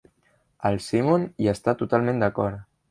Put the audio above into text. El Simon hi està totalment d'acord.